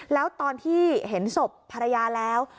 แล้วตอนที่เห็นศพภรรยาแล้ว